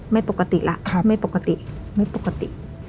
ไม่ปกติแล้วไม่ปกติไม่ปกติ